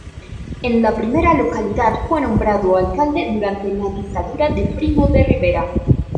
En la primera localidad fue nombrado alcalde durante la Dictadura de Primo de Rivera.